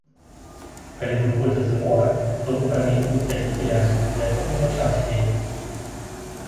Калі выходзяць з мора, то выпраменьваюць такі бляск, ад якога ў вачах свеціцца.